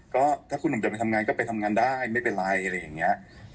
ก็ถ้าคุณหนุ่มจะไปทำงานก็ไปทำงานได้ไม่เป็นไรอะไรอย่างนี้